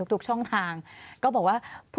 ทุกช่องทางก็บอกว่า